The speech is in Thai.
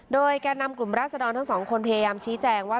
โดยแก่นำกลุ่มราชดรทั้งสองคนพยายามชี้แจงว่า